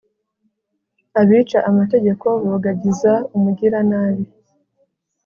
abica amategeko bogagiza umugiranabi